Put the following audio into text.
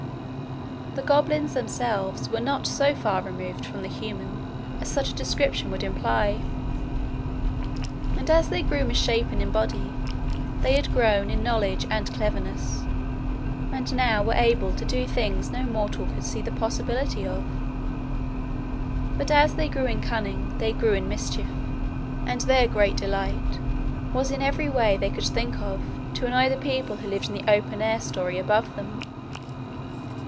The goblins themselves were not so far removed from the human as such a description would imply. And as they grew misshapen in body they had grown in knowledge and cleverness, and now were able to do things no mortal could see the possibility of. But as they grew in cunning, they grew in mischief, and their great delight was in every way they could think of to annoy the people who lived in the open air storey above them.